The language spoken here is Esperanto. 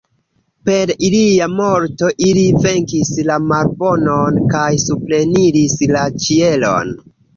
Per ilia morto ili venkis la malbonon kaj supreniris la ĉielon.